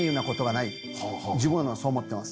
自分はそう思ってます。